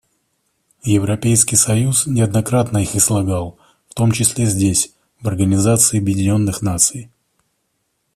Европейский союз неоднократно их излагал, в том числе здесь, в Организации Объединенных Наций.